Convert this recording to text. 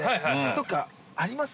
どっかあります？